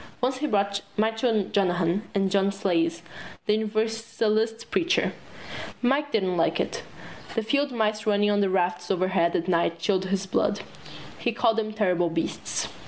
Once he brought Michael Monahan and John Sayles the Universalist preacher. Mike didn't like it. The field mice running on the rafters overhead at night chilled his blood. He called them terrible beasts.